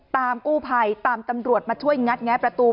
กู้ภัยตามตำรวจมาช่วยงัดแงะประตู